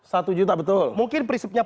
satu juta betul mungkin prinsipnya